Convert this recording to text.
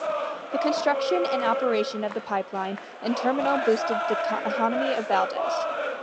The construction and operation of the pipeline and terminal boosted the economy of Valdez.